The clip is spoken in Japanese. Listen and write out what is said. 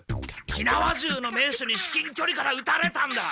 火縄銃の名手に至近距離からうたれたんだ！